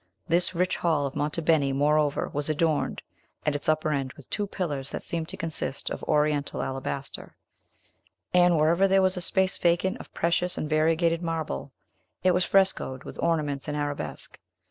This rich hall of Monte Beni, moreover, was adorned, at its upper end, with two pillars that seemed to consist of Oriental alabaster; and wherever there was a space vacant of precious and variegated marble, it was frescoed with ornaments in arabesque.